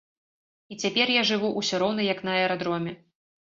І цяпер я жыву ўсё роўна як на аэрадроме.